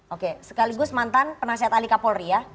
oke sekaligus mantan penasihat ali kapolri ya